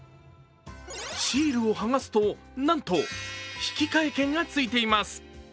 シールを剥がすと、なんと引換券がついています。